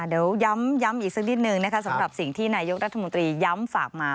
เดี๋ยวย้ำอีกสักนิดนึงนะคะสำหรับสิ่งที่นายกรัฐมนตรีย้ำฝากมา